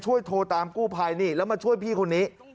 โทรตามกู้ภัยนี่แล้วมาช่วยพี่คนนี้